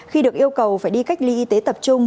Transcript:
khi được yêu cầu phải đi cách ly y tế tập trung